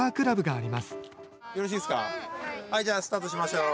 はいじゃあスタートしましょう。